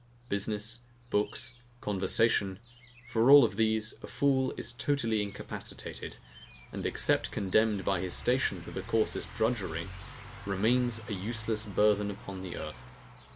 Business, books, conversation; for all of these, a fool is totally incapacitated, and except condemned by his station to the coarsest drudgery, remains a useless burthen upon the earth.